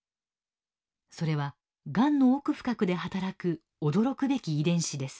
それはがんの奥深くで働く驚くべき遺伝子です。